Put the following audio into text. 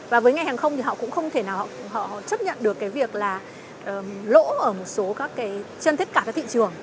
và với ngành hàng không thì họ cũng không thể nào họ chấp nhận được cái việc là lỗ ở một số các cái trên tất cả các thị trường